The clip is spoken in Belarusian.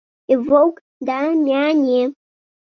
І воўк да мяне.